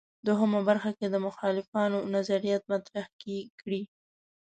دوهمه برخه کې د مخالفانو نظریات مطرح کړي.